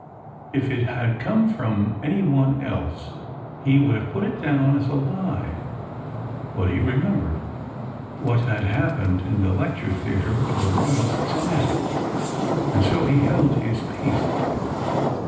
If it had come from any one else he would have put it down as a lie, but he remembered what had happened in the lecture theatre of the Royal Society, and so he held his peace.